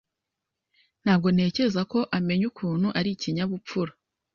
Ntabwo ntekereza ko amenya ukuntu ari ikinyabupfura.